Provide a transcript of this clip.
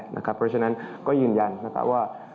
เพราะฉะนั้นก็ยืนยันว่า